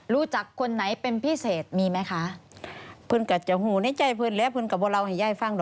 รู้จักคนไหนเป็นพิเศษมีไหมคะ